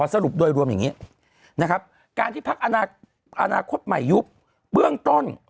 สรุปโดยรวมอย่างนี้นะครับการที่พักอนาคตใหม่ยุบเบื้องต้น